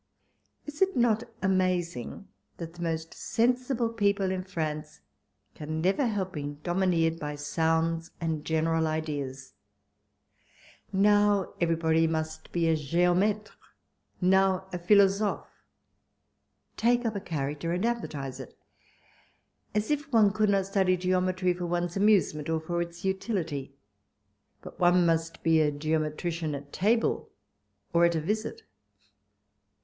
Is it not amazing that the most sensible people in France can never help being domineered by sounds and general ideas? ^Now everybody must be a geomttre, now a philosophc, and the moment they are either, they are to take up a character and advertise it : as if one could not study geometry for one's amusement 102 walpole's letters. or for its utility, but one must be a geometrician at table, or at a visit!